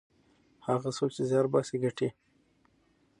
هغه څوک چې زیار باسي ګټي.